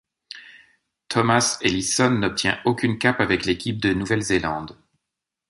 Thomas Ellison n'obtient aucune cape avec l'équipe de Nouvelle-Zélande.